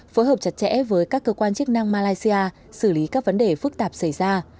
phối hợp chặt chẽ với các cơ quan chức năng malaysia xử lý các vấn đề phức tạp xảy ra